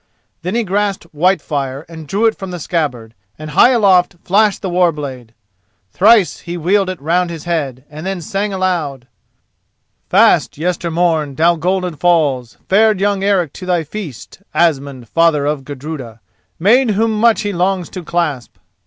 Then he grasped Whitefire and drew it from the scabbard, and high aloft flashed the war blade. Thrice he wheeled it round his head, then sang aloud: "Fast, yestermorn, down Golden Falls, Fared young Eric to thy feast, Asmund, father of Gudruda— Maid whom much he longs to clasp.